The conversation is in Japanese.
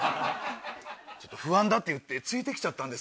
「不安だ」って言ってついて来ちゃったんですよね。